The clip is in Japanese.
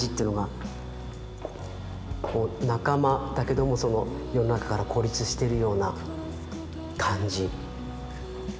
仲間だけどもその世の中から孤立してるような感じ。